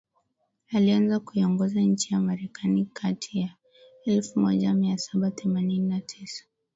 Alianza kuiongoza nchi ya marekani kati ya elfu moja mia saba themanini na tiisa